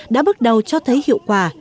đã bước đầu cho thấy hiệu quả